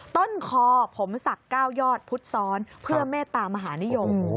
ต้นคอผมสัก๙ยอดพุทธซ้อนเพื่อเมตตามหานิยม